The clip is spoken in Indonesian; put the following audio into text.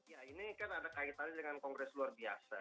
ya ini kan ada kaitannya dengan kongres luar biasa